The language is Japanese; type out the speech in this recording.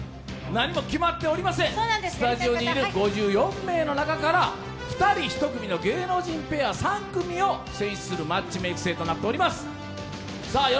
何も決まっておりません、スタジオにいる５４名の中から２人１組の芸能人ペア、３組を選出するマッチメーク制となっています。